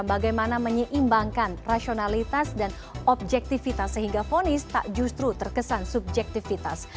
bagaimana menyeimbangkan rasionalitas dan objektivitas sehingga fonis tak justru terkesan subjektivitas